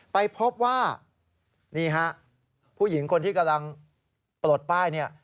ไปพบว่านี่ฮะผู้หญิงคนที่กำลังปลดป้ายเนี่ย